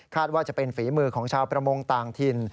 ว่าจะเป็นฝีมือของชาวประมงต่างถิ่น